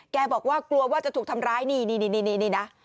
บอกว่ากลัวว่าจะถูกทำร้ายนี่นะ